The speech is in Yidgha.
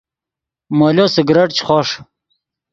مولو سگریٹ چے خوݰ